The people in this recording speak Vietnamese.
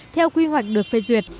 theo quy hoạch được phê duyệt